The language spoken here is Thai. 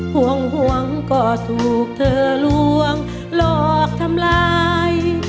ห่วงก็ถูกเธอล่วงหลอกทำร้าย